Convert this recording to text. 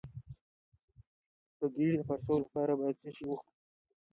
د ګیډې د پړسوب لپاره باید څه شی وخورم؟